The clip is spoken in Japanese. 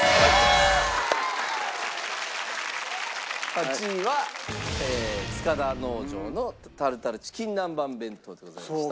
８位は塚田農場のタルタルチキン南蛮弁当でございました。